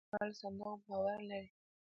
پيسو نړيوال صندوق باور لري.